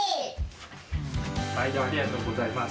まいどありがとうございます。